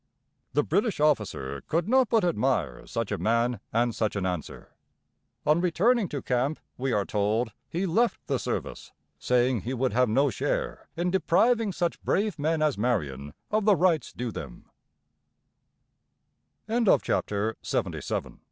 The British officer could not but admire such a man and such an answer. On returning to camp, we are told, he left the service, saying he would have no share in depriving such brave men as Marion of the rights due the